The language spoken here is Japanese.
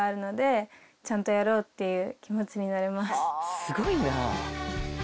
すごいな。